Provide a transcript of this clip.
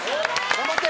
頑張って！